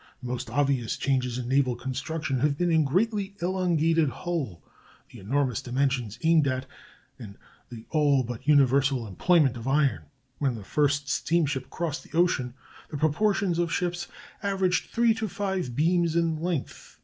The most obvious changes in naval construction have been in the greatly elongated hull, the enormous dimensions aimed at, and the all but universal employment of iron. When the first steamship crossed the ocean the proportions of ships averaged three to five beams in length....